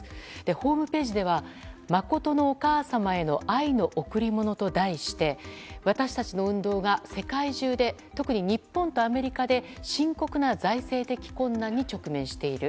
ホームページでは「真のお母様への愛の贈り物」と題して私たちの運動が世界中で特に日本とアメリカで深刻な財政的困難に直面している。